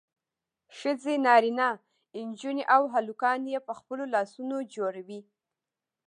ښځې نارینه نجونې او هلکان یې په خپلو لاسونو جوړوي.